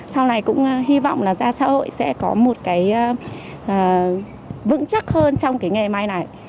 sau này cũng hy vọng là ra xã hội sẽ có một cái vững chắc hơn trong cái nghề may này